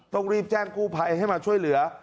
ต้องรีบแจ้งกู้ภัยให้มาช่วยเหลือ